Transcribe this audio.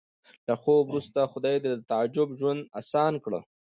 له خوب وروسته خدای د تعجب ژوند اسان کړ